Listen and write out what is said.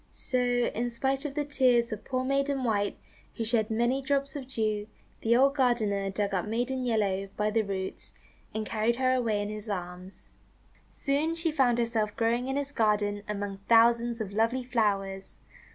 So, in spite of the tears of poor Maiden White, who shed many drops of dew, the old gardener dug up Maiden Yellow by the roots, and carried her away in his arms. Soon she found herself growing in his garden among thousands of lovely flowers.